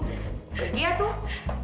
pergi ya tuh